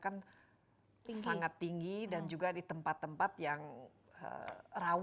anomali yang di semester ke dua tahun dua ribu dua puluh